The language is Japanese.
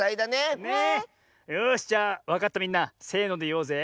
よしじゃあわかったみんなせのでいおうぜ。